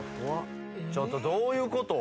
ちょっとどういうこと？